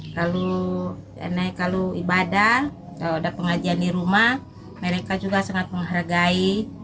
kalau ibadah kalau ada pengajian di rumah mereka juga sangat menghargai